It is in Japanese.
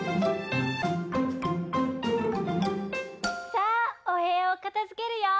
さあおへやをかたづけるよ。